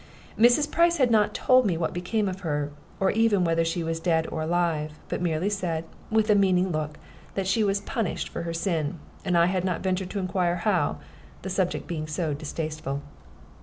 Mrs. Price had not told me what became of her, or even whether she was dead or alive, but merely said, with a meaning look, that she was "punished" for her sin, and I had not ventured to inquire how, the subject being so distasteful.